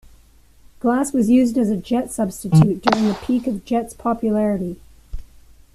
Glass was used as a jet substitute during the peak of jet's popularity.